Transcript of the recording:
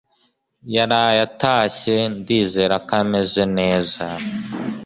yaraye atashye. Ndizera ko ameze neza.